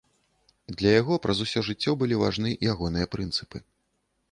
Для яго праз усё жыццё былі важны ягоныя прынцыпы.